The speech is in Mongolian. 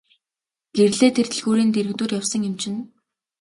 Гэрлээ тэр дэлгүүрийн дэргэдүүр явсан юм чинь.